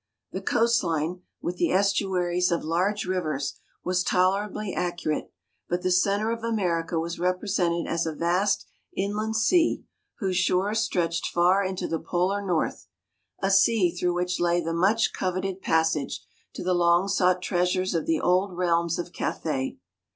The coast line, with the estuaries of large rivers, was tolerably accurate; but the centre of America was represented as a vast inland sea, whose shores stretched far into the Polar North a sea through which lay the much coveted passage to the long sought treasures of the old realms of Cathay.